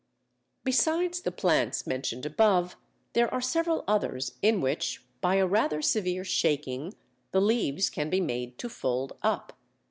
Besides the plants mentioned above, there are several others in which by a rather severe shaking the leaves can be made to fold up.